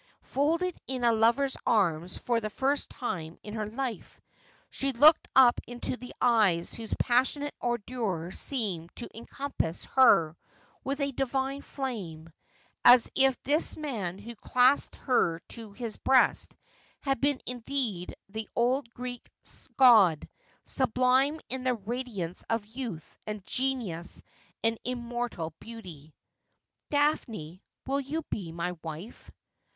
Folded in a lover's arms for the first time in her life, she looked up into eyes whose pas sionate ardour seemed to encompass her with a divine flame : as if thislman who clasped her to his breast had been indeed the old G reek god, sublime in the radiance of youth and genius and immortal beauty. ' Daphne, will you be my wife